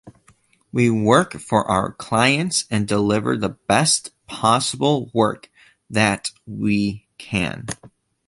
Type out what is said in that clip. We work for our clients and deliver the best possible work that we can.